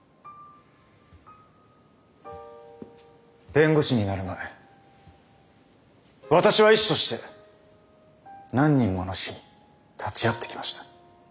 弁護士になる前私は医師として何人もの死に立ち会ってきました。